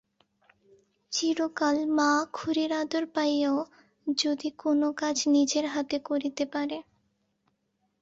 চিরকাল মা-খুড়ির আদর পাইয়া ও যদি কোনো কাজ নিজের হাতে করিতে পারে।